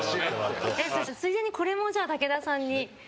ついでにこれも、武田さんに。